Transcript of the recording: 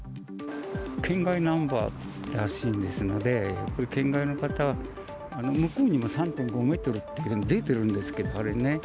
県外ナンバーらしいんですので、県外の方、向こうにも３．５メートルって出てるんですけれども、あれね。